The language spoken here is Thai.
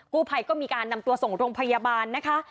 ผู้ภัยก็มีการนำตัวส่งโรงพยาบาลนะคะ